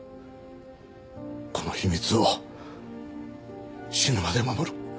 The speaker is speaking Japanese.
この秘密を死ぬまで守る。